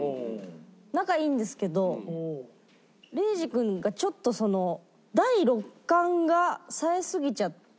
仲いいんですけどレイジ君がちょっと第六感がさえすぎちゃってる人で。